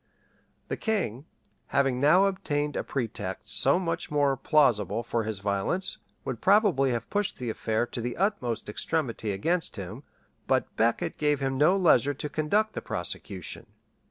The king, having now obtained a pretext so much more plausible for his violence, would probably have pushed the affair to the utmost extremity against him; but Becket gave him no leisure to conduct the prosecution.